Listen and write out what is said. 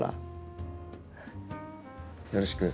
よろしく。